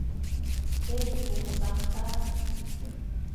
Эй, ул саҡта!